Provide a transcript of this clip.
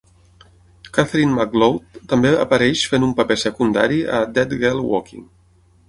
Catherine McLeod també apareix fent un paper secundari a "Dead Girl Walking".